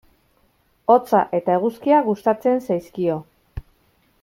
Hotza eta eguzkia gustatzen zaizkio.